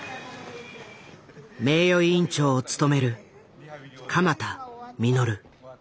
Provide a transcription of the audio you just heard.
名誉院長を務める鎌田實。